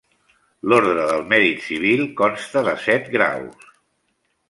L'Orde del Mèrit Civil consta de set graus.